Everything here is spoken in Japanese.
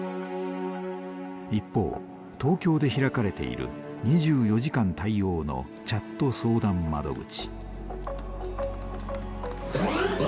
一方東京で開かれている２４時間対応のチャット相談窓口。